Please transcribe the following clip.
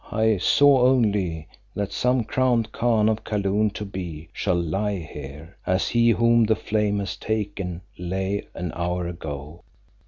I saw only that some crowned Khan of Kaloon to be shall lie here, as he whom the flame has taken lay an hour ago."